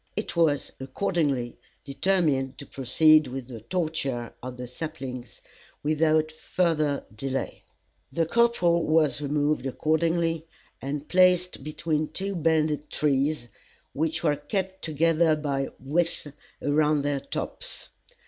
It was, accordingly, determined to proceed with the torture of the saplings without further delay. The corporal was removed accordingly, and placed between the two bended trees, which were kept together by withes around their tops.